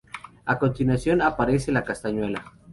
A continuación aparece la castañuela.